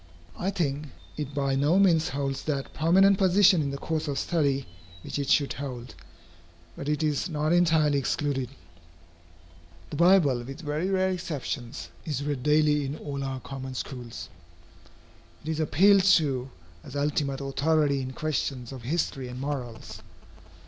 I think, it by no means holds that prominent position in the course of study which it should hold. But it is not entirely excluded. The Bible, with very rare exceptions, is read daily in all our common schools. It is appealed to as ultimate authority in questions of history and morals.